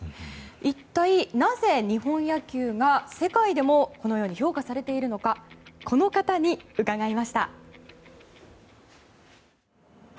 一体なぜ日本野球が世界でも評価されているのかこの方に伺いました。